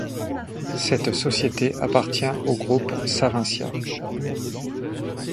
Cette société appartient au groupe Savencia.